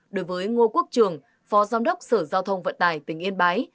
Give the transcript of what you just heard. đối với ngô quốc trường phó giám đốc sở giao thông vận tài tỉnh yên bái